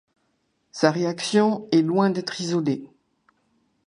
Sa réaction est loin d’être isolée.